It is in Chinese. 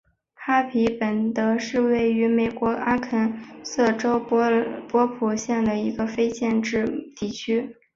哈皮本德是位于美国阿肯色州波普县的一个非建制地区。